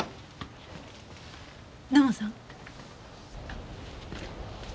土門さん。